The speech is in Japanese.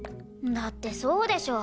だってそうでしょ？